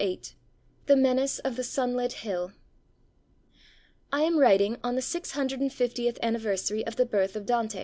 VIII THE MENACE OF THE SUNLIT HILL I am writing on the six hundred and fiftieth anniversary of the birth of Dante.